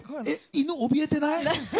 犬おびえてない？